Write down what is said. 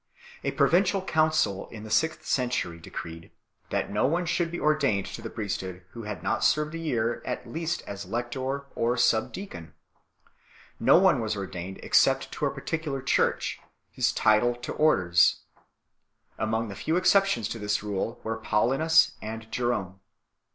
A provincial council 1 in the sixth century decreed that no one should be ordained to the priesthood who had not served a year at least as lector or subdeacon. No one was ordained except to a particular church, his title to orders 2 . Among the few exceptions to this rule were Paulinus and Jerome.